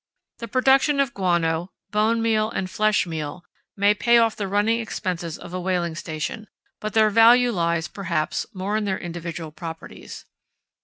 The production of guano, bone meal, and flesh meal may pay off the running expenses of a whaling station, but their value lies, perhaps, more in their individual properties.